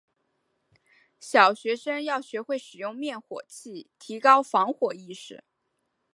小学生要学会使用灭火器，提高防火意识。